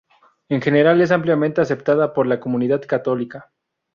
En general es ampliamente aceptada por la comunidad católica.